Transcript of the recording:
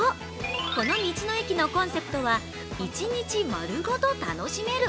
この道の駅のコンセプトは「１日丸ごと楽しめる」。